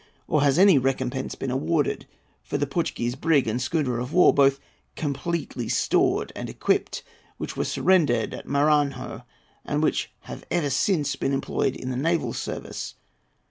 or has any recompense been awarded for the Portuguese brig and schooner of war, both completely stored and equipped, which were surrendered at Maranhão, and which have ever since been employed in the naval service?